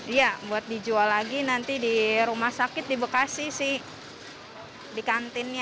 iya buat dijual lagi nanti di rumah sakit di bekasi sih di kantinnya